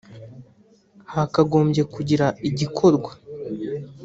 hakagombye kugira igikorwa